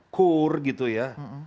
core gitu ya